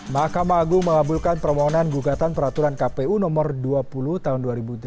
mahkamah agung mengabulkan permohonan gugatan peraturan kpu nomor dua puluh tahun dua ribu delapan belas